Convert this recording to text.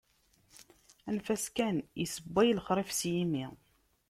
Anef-as kan... yessewway lexrif s yimi.